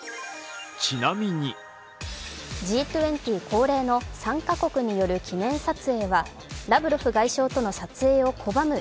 Ｇ２０恒例の参加国による記念撮影はラブロフ外相との撮影を拒む